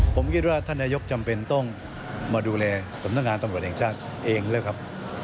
ผมคิดว่าท่านนายกจำเป็นต้องมาดูแลสำนักงานตำรวจแห่งชาติเองแล้วครับ